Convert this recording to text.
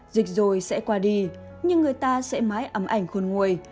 dịch rồi sẽ qua đi nhưng người ta sẽ mãi ấm ảnh khôn nguồi